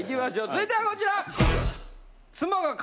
続いてはこちら！